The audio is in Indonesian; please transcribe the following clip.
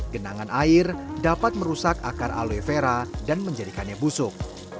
genangan air dapat merusak akar aloevera dan menjadikannya busuk